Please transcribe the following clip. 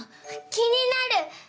気になる！